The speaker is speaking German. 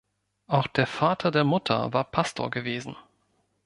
Auch der Vater der Mutter war Pastor gewesen.